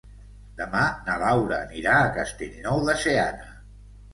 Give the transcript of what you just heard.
Demà na Laura anirà a Castellnou de Seana.